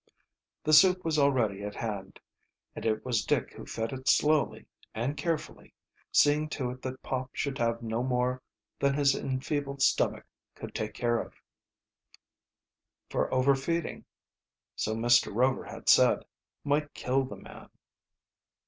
The soup was already at hand, and it was Dick who fed it slowly and carefully, seeing to it that Pop should have no more than his enfeebled stomach could take care of, for overfeeding, so Mr. Rover had said, might kill the man.